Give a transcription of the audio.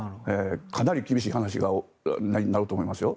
かなり厳しい話になると思いますよ。